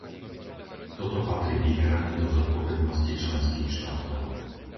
Toto patrí výhradne do zodpovednosti členských štátov.